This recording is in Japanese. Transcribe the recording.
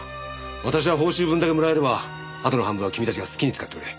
私は報酬分だけもらえればあとの半分は君たちが好きに使ってくれ。